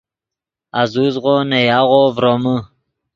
آزوزغو نے یاغو ڤرومے